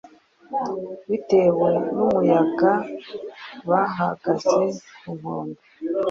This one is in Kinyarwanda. Bitewe numuyagabahagaze ku nkombe